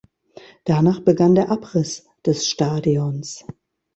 Danach begann der Abriss des Stadions.